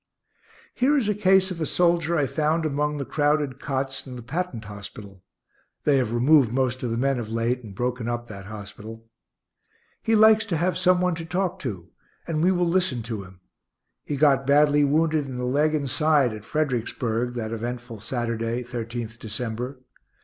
Here is a case of a soldier I found among the crowded cots in the Patent hospital (they have removed most of the men of late and broken up that hospital). He likes to have some one to talk to, and we will listen to him. He got badly wounded in the leg and side at Fredericksburg that eventful Saturday, 13th December.